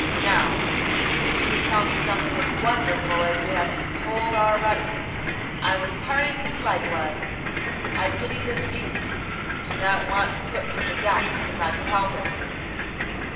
Now, if you could tell me something as wonderful as you have told already, I would pardon him likewise; I pity this youth and do not want to put him to death if I could help it.